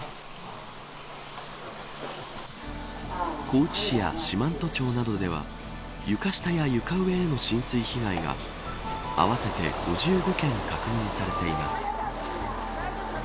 高知市や四万十町などでは床下や床上への浸水被害が合わせて５５件確認されています。